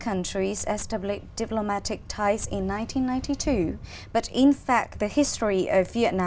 cũng có rất nhiều giáo viên